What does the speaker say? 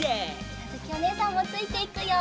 あづきおねえさんもついていくよ。